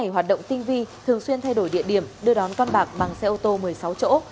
hoạt động tinh vi thường xuyên thay đổi địa điểm đưa đón con bạc bằng xe ô tô một mươi sáu chỗ